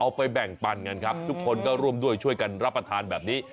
ไปแบ่งปันกันครับทุกคนก็ร่วมด้วยช่วยกันรับประทานแบบนี้